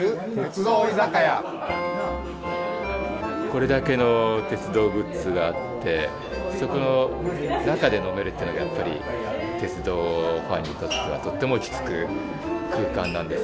これだけの鉄道グッズがあってそこ中で飲めるっていうのはやっぱり鉄道ファンにとってはとっても落ち着く空間なんですよね。